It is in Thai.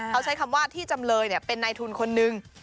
เขาใช้คำว่าที่จำเลยเป็นนายทุนคนนึง